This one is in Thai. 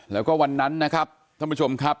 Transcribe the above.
แล้วก็วันนั้นท่านผู้ชมครับ